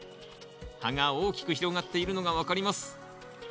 葉が大きく広がっているのが分かります。